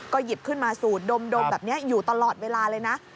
หยิบขึ้นมาสูดดมแบบนี้อยู่ตลอดเวลาเลยนะ